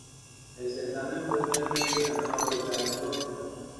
El certamen fue finalmente ganado por Karen Soto.